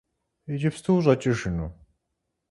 Иджыпсту ущӏэкӏыжыну?